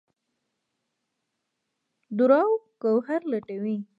دُراو ګوهر لټوي